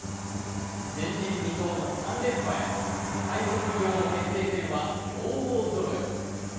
前人未到の３連覇へ、最速女王決定戦は強豪ぞろい。